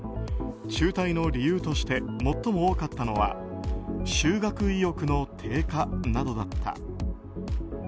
中退の理由として最も多かったのは修学意欲の低下などだった。